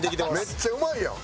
めっちゃうまいやん！